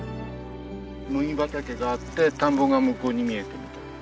麦畑があって田んぼが向こうに見えてみたいな。